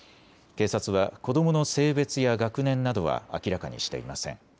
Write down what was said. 警察は子どもの性別や学年などは明らかにしていません。